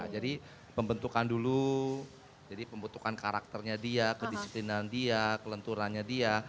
jadi pembentukan dulu jadi pembentukan karakternya dia kedisiplinan dia kelenturannya dia